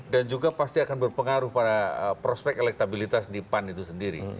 juga pasti akan berpengaruh pada prospek elektabilitas di pan itu sendiri